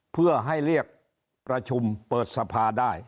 เพื่อให้เรียกประชุมเปิดสภาได้